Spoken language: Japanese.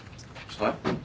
はい？